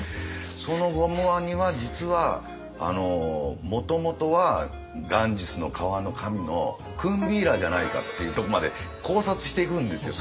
そのゴムワニは実はもともとはガンジスの川の神のクンビーラじゃないかっていうとこまで考察していくんですよ。